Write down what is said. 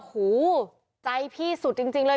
หูใจพี่สุดจริงเลย